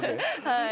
はい。